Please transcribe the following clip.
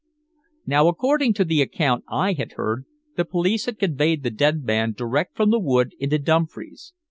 Now, according to the account I had heard, the police had conveyed the dead man direct from the wood into Dumfries.